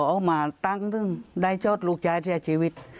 ออกมาตั้งชอบลูกจายในชีวิต